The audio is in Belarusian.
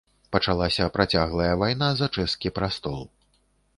Пачалася працяглая вайна за чэшскі прастол.